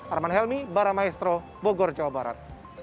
arman helmi baramaestro bogor jawa barat